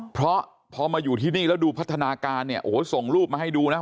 เพราะพอมาอยู่ที่นี่แล้วดูพัฒนาการเนี่ยโอ้โหส่งรูปมาให้ดูนะ